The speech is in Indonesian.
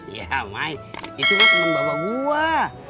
iya mai itu kan temen bapak gua